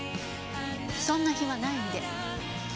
そんな暇ないんで。